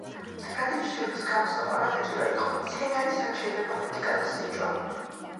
მდგრადი ჯიშების გამოსაყვანად საჭირო იყო მცენარის რაც შეიძლება მეტი გადასინჯვა.